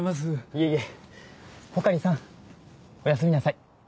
いえいえ穂刈さんおやすみなさい。